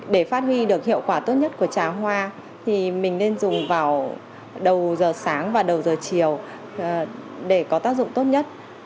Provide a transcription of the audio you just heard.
để phát huy được hiệu quả tốt nhất của trà hoa thì mình nên dùng vào đầu giờ sáng và đầu giờ chiều để có tác dụng tốt nhất